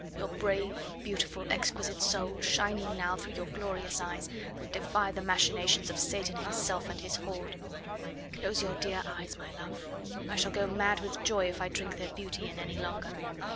Your brave, beautiful, exquisite soul, shining now through your glorious eyes, would defy the machinations of Satan himself and his horde. Close your dear eyes, my love. I shall go mad with joy if I drink their beauty in any longer."